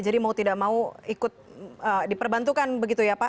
jadi mau tidak mau ikut diperbantukan begitu ya pak